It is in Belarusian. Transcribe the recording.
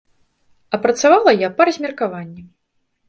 А працавала я па размеркаванні.